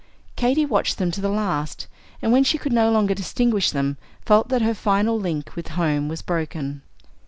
Katy watched them to the last, and when she could no longer distinguish them, felt that her final link with home was broken.